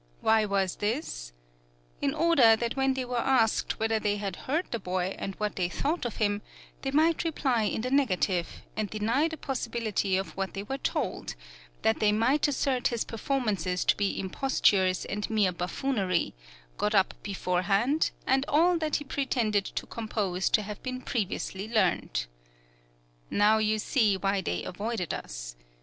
Why was this? In order that when they were asked whether they had heard the boy, and what they thought of him, they might reply in the negative, and deny the possibility of what they were told; that they might assert his performances to be impostures and {THE FIRST OPERA IN VIENNA.} (68) mere buffoonery, got up beforehand, and all that he pretended to compose to have been previously learnt. Now you see why they avoided us.